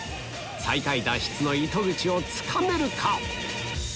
最下位脱出の糸口をつかめるか？